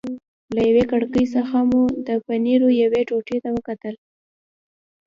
له یوې کړکۍ څخه مو د پنیرو یوې ټوټې ته وکتل.